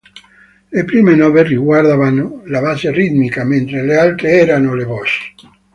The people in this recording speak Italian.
Le prime nove riguardavano la base ritmica, mentre le altre erano le voci.